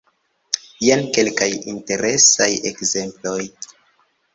Jen kelkaj interesaj ekzemploj.